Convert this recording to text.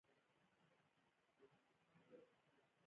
دځنګل حاصلات د افغانستان د ځمکې د جوړښت یوه نښه ده.